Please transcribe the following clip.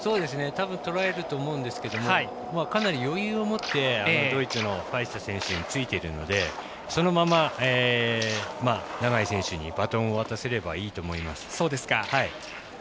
たぶんとらえると思うんですけどかなり余裕を持ってドイツのファイスト選手についているのでそのまま、永井選手にバトンを渡せればいいと思います。